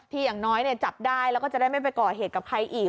อย่างน้อยจับได้แล้วก็จะได้ไม่ไปก่อเหตุกับใครอีก